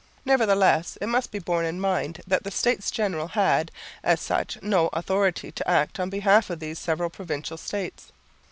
Nevertheless, it must be borne in mind that the States General had, as such, no authority to act on behalf of these several provincial states.